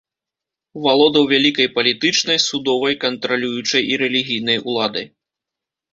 Валодаў вялікай палітычнай, судовай, кантралюючай і рэлігійнай уладай.